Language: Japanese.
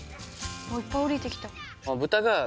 あっいっぱい降りてきた。